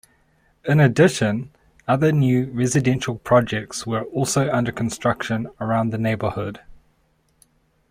In addition, other new residential projects were also under construction around the neighborhood.